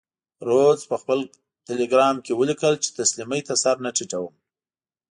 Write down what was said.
رودز په خپل ټیلګرام کې ولیکل چې تسلیمۍ سر نه ټیټوم.